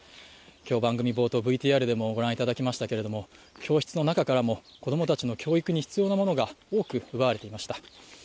今日番組冒頭ＶＴＲでもご覧いただきましたけれども、教室の中からも、子供たちの教育に必要なものが多く、奪われてしまいました。